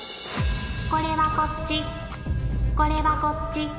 これはこっちこれはこっち。